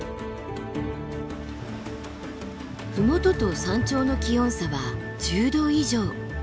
麓と山頂の気温差は１０度以上。